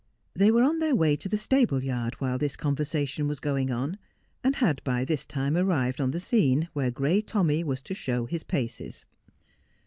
They were on their way to the stable yard while this con versation was going on, and had by this time arrived on the scene where Gray Tommy was to show his paces.